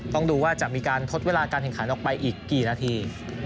ต้องดูว่าจะมีการทดเวลาการแข่งขันออกไปอีกกี่นาที